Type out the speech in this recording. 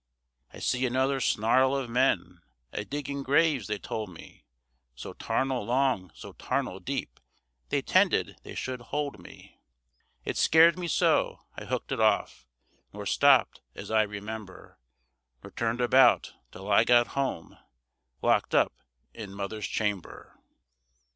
I see another snarl of men A digging graves, they told me, So tarnal long, so tarnal deep, They 'tended they should hold me. It scared me so, I hooked it off, Nor stopped, as I remember, Nor turned about, till I got home, Locked up in mother's chamber.